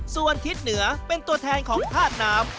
ส่วนทิศเหนือเป็นตัวแทนของธาตุน้ำ